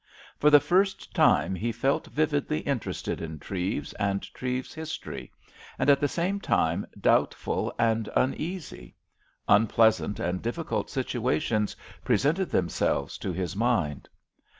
For the first time he felt vividly interested in Treves and Treves's history, and at the same time doubtful and uneasy. Unpleasant and difficult situations presented themselves to his mind.